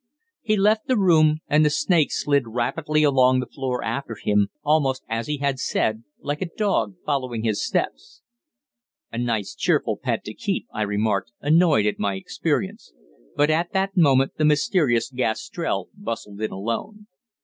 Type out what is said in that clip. He left the room, and the snake slid rapidly along the floor after him, almost, as he had said, like a dog following his steps. "A nice cheerful pet to keep," I remarked, annoyed at my experience; but at that moment the mysterious Gastrell bustled in alone.